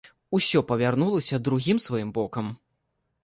Усё павярнулася другім сваім бокам.